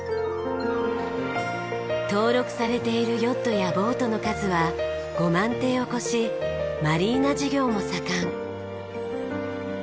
登録されているヨットやボートの数は５万艇を超しマリーナ事業も盛ん。